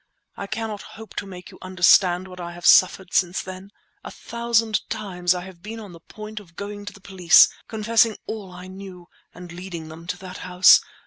I cannot hope to make you understand what I have suffered since then. A thousand times I have been on the point of going to the police, confessing all I knew, and leading them to that house!